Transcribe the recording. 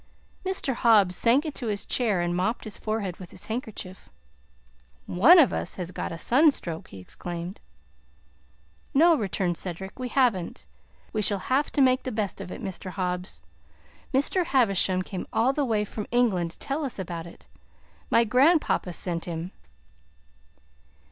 Mr. Hobbs sank into his chair and mopped his forehead with his handkerchief. "ONE of us has got a sunstroke!" he exclaimed. "No," returned Cedric, "we haven't. We shall have to make the best of it, Mr. Hobbs. Mr. Havisham came all the way from England to tell us about it. My grandpapa sent him."